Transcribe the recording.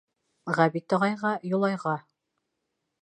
— Ғәбит ағайға, Юлайға.